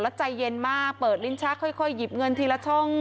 แล้วใจเย็นมากเปิดลิ้นชักค่อยหยิบเงินทีละช่อง